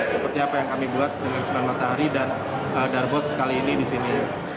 seperti apa yang kami buat dengan senan matahari dan darbots kali ini di sini